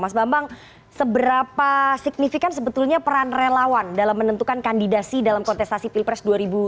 mas bambang seberapa signifikan sebetulnya peran relawan dalam menentukan kandidasi dalam kontestasi pilpres dua ribu dua puluh